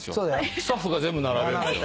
スタッフが全部並べんですよ。